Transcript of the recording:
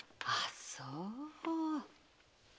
あそう。